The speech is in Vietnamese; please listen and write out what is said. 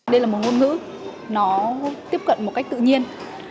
đây là một ngôn ngữ nó tiếp cận một cách tự nhiên